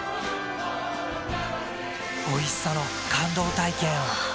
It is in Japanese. おいしさの感動体験を。